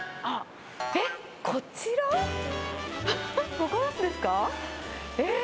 ここですか。